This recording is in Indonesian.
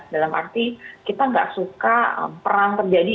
dalam arti kita gak suka perang terjadi